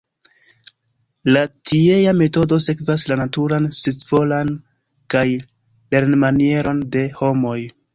La tiea metodo sekvas la naturan scivolon kaj lernmanieron de homoj.